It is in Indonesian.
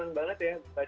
ini keren kenapa ke tiga